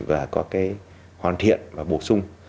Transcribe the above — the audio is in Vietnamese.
và có cái hoàn thiện và bổ sung